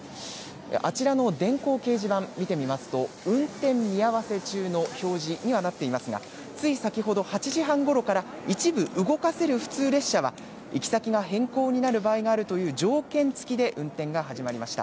あちらの電光掲示板見てみますと運転見合わせ中の表示にはなっていますがつい先ほど８時半ごろから一部動かせる普通列車は行き先が変更になる場合があるという条件付きで運転が始まりました。